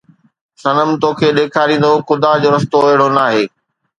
صنم توکي ڏيکاريندو خدا جو رستو اهڙو ناهي